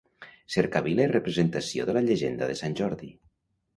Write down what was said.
Cercavila i representació de la llegenda de Sant Jordi.